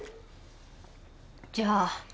じゃあ